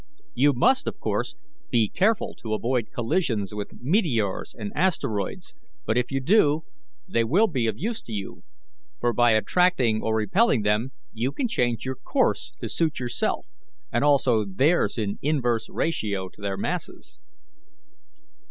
You must, of course, be careful to avoid collisions with meteors and asteroids but if you do, they will be of use to you, for by attracting or repelling them you can change your course to suit yourself, and also theirs in inverse ratio to their masses.